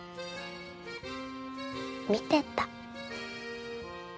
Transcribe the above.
見てた。